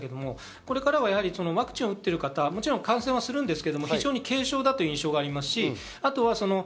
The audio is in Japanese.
これからはワクチンを打っている方、もちろん感染はするんですけど非常に軽症という印象があります。